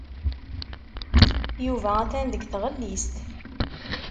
Yuba atan deg tɣellist.